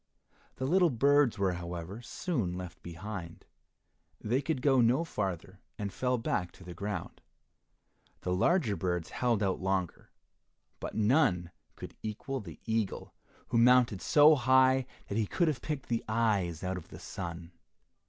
The little birds were, however, soon left behind. They could go no farther, and fell back to the ground. The larger birds held out longer, but none could equal the eagle, who mounted so high that he could have picked the eyes out of the sun.